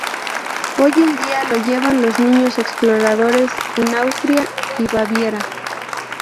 Hoy en día lo llevan los niños exploradores en Austria y Baviera.